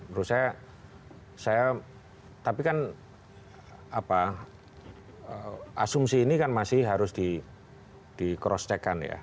menurut saya saya tapi kan asumsi ini kan masih harus di cross check kan ya